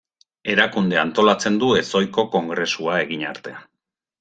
Erakundea antolatzen du Ez-Ohiko Kongresua egin arte.